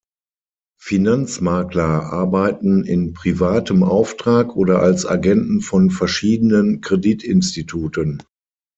Finanzmakler arbeiten in privatem Auftrag oder als Agenten von verschiedenen Kreditinstituten.